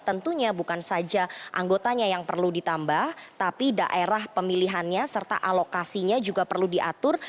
tentunya bukan saja anggotanya yang perlu ditambah tapi daerah pemilihannya serta alokasinya juga perlu diatur